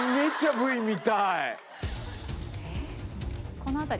「この辺り」